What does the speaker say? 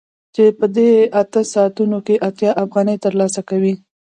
هغه په دې اته ساعتونو کې اتیا افغانۍ ترلاسه کوي